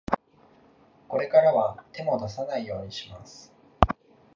これからは、手も出さないようにします。